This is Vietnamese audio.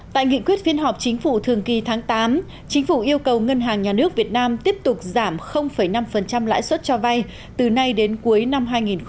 tại nghị quyết phiên họp chính phủ thường kỳ tháng tám chính phủ yêu cầu ngân hàng nhà nước việt nam tiếp tục giảm năm lãi suất cho vay từ nay đến cuối năm hai nghìn hai mươi